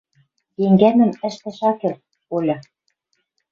«Енгӓмӹм ӓштӓш ак кел, Оля, —